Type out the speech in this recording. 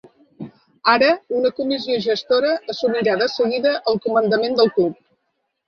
Ara, una comissió gestora assumirà de seguida el comandament del club.